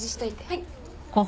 はい。